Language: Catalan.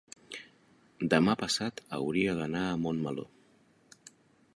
demà passat hauria d'anar a Montmeló.